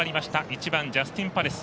１番、ジャスティンパレス。